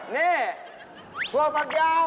นี่ถั่วฝักยาว